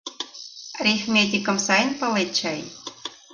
Арифметикым сайын палет чай?